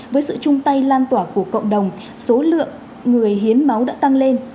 với sự chung tay lan tỏa của cộng đồng số lượng người hiến máu đã tăng lên